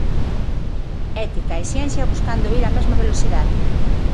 Ética e ciencia buscando ir á mesma velocidade.